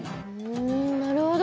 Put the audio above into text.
うんなるほど。